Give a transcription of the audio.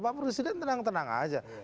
pak presiden tenang tenang aja